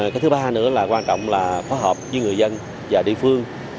cái thứ ba nữa là quan trọng là phối hợp với người dân và địa phương